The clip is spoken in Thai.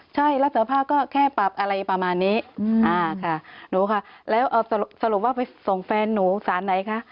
ใช่รับสารภาพก็แค่ปรับอะไรประมาณนี้อ่าค่ะหนูค่ะแล้วเอาสรุปว่าไปส่งแฟนหนูสารไหนคะ